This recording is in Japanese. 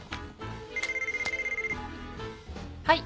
はい。